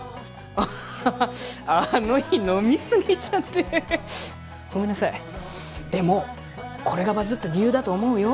あっははあの日飲みすぎちゃってごめんなさいでもこれがバズった理由だと思うよ